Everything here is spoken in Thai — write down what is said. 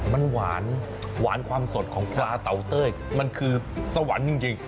มันหวานหวานความสดของปลาเตาเต้ยมันคือสวรรค์จริง